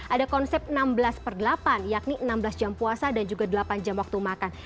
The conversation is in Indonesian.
ada konsep enam belas per delapan yakni enam belas jam puasa dan juga delapan jam waktu makan